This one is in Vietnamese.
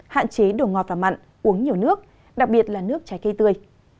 hạn chế đổ ngọt và mặn uống nhiều nước đặc biệt là nước trái cây tươi